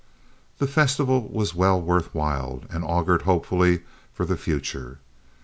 The festival was well worth while and augured hopefully for the future.